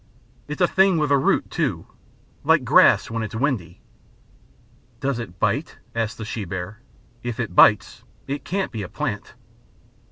It's a thing with a root, too like grass when it is windy." "Does it bite?" asked the she bear. "If it bites it can't be a plant."